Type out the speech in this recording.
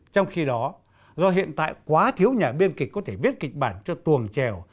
trong khi đó do hiện tại quá thiếu nhà biên kịch có thể viết kịch bản cho tuồng chèo